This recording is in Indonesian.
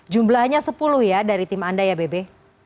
jumlahnya sepuluh ya dari tim anda ya bebe